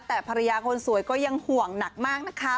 แต่ภรรยาคนสวยก็ยังห่วงหนักมากนะคะ